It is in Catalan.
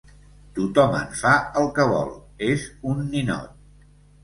Tothom en fa el que vol: és un ninot.